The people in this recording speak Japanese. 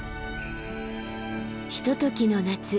ひとときの夏